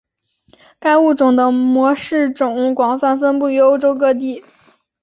该物种的模式种广泛分布于欧洲各地。